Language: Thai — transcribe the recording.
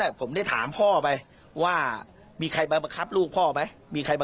แล้วก็ตอนนั้นหน้าที่ลูกเป็นอย่างไรหน้าเสียไหมพ่อ